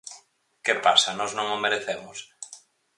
¿Que pasa?, ¿nós non o merecemos?